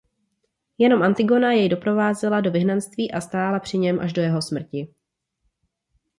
Jenom Antigona jej doprovázela do vyhnanství a stála při něm až do jeho smrti.